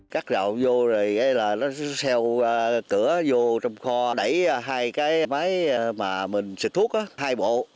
cắt rộng vô rồi nó xeo cửa vô trong kho đẩy hai cái máy mà mình xịt thuốc hai bộ